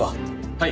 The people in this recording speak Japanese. はい。